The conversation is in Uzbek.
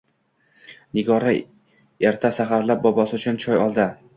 Nigora erta-saxarlab bobosi uchun choy oldi.